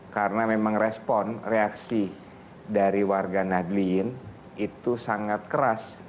karena memang respon reaksi dari warga nagliin itu sangat keras